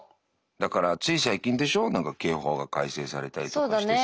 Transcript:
だからつい最近でしょ何か刑法が改正されたりとかしてさ。